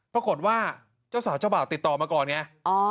ปรากฏว่าเจ้าสาวเจ้าบ่าวติดต่อมาก่อนไง